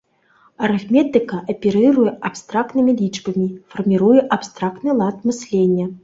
Арыфметыка аперыруе абстрактнымі лічбамі, фарміруе абстрактны лад мыслення.